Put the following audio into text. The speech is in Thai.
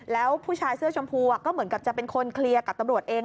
แล้วผู้ชายเสื้อชมพูก็เหมือนกับจะเป็นคนเคลียร์กับตำรวจเอง